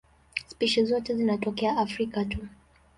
Spishi zote zinatokea Afrika tu.